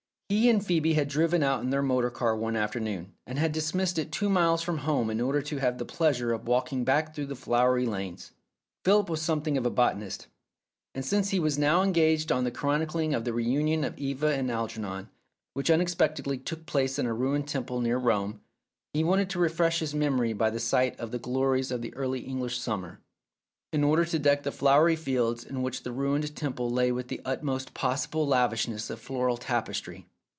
He and Phcebe had driven out in their motor car one afternoon, and had dismissed it two miles from home in order to have the pleasure of walking back through the flowery lanes. Philip was something of a botanist, and since he was now engaged on the 301 Philip's Safety Razor chronicling of the reunion of Eva and Algernon, which unexpectedly took place in a ruined temple near Rome, he wanted to refresh his memory by the sight of the glories of the early English summer, in order to deck the flowery fields in which the ruined temple lay with the utmost possible lavishness of floral tapestry.